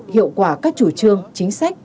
hiệu quả các chủ trương chính sách